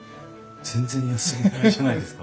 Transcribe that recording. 全然休みがないじゃないですか。